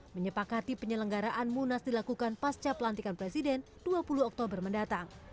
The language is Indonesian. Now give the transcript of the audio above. menyepakati penyelenggaraan munas dilakukan pasca pelantikan presiden dua puluh oktober mendatang